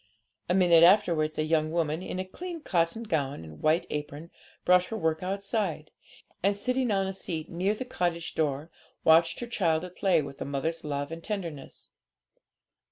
A minute afterwards a young woman, in a clean cotton gown and white apron, brought her work outside, and, sitting on the seat near the cottage door, watched her child at play with a mother's love and tenderness.